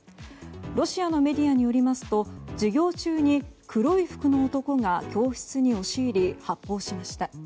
ロシアのメディアによりますと授業中に黒い服の男が教室に押し入り発砲しました。